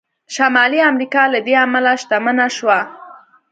شمالي امریکا له دې امله شتمنه شوه.